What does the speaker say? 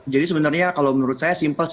jadi sebenarnya kalau menurut saya simpel